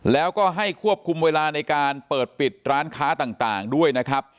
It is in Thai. แล้วก็ให้ควบคุมเวลาในการเปิดปิดร้านค้าต่างด้วยนะครับ